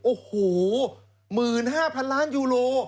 โอ้โห๑๕๐๐๐ล้านยูโร